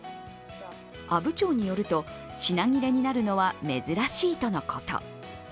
阿武町によると、品切れになるのは珍しいとのこと。